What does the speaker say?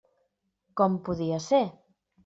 Com podia ser?